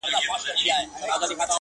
o مېړه مړ که، مړانه ئې مه ورکوه٫